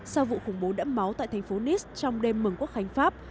sau vụ khủng bố đẫm máu tại thành phố nice trong đêm mừng quốc hành pháp